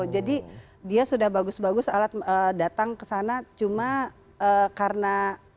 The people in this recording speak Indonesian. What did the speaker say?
jadi dia sudah bagus bagus alat datang ke sana cuma karena